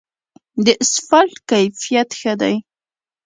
د اسفالټ کیفیت ښه دی؟